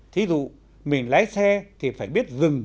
thí dụ mình lái xe thì phải biết dừng